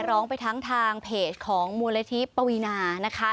ร้องไปทั้งทางเพจของมูลนิธิปวีนานะคะ